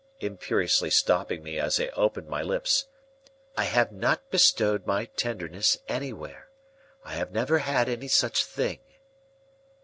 imperiously stopping me as I opened my lips. "I have not bestowed my tenderness anywhere. I have never had any such thing."